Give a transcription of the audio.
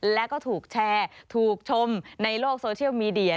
แล้วก็ถูกแชร์ถูกชมในโลกโซเชียลมีเดีย